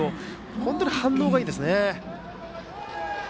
本当に反応がいいですね。